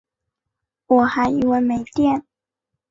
我还以为没电